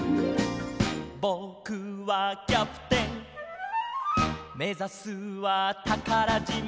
「ぼくはキャプテンめざすはたからじま」